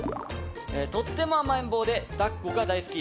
とっても甘えん坊で抱っこが大好き！